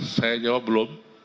saya jawab belum